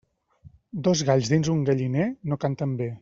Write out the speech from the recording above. Dos galls dins un galliner no canten bé.